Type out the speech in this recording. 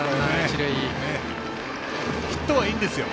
ヒットはいいんですよ。